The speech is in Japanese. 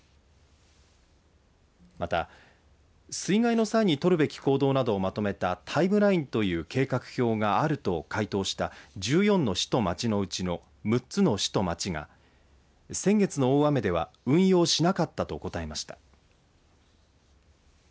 また水害の際に取るべき行動などをまとめたタイムラインという計画表があると回答した１４の市と町のうちの６つの市と町が先月の大雨では運用しなかったと答えました。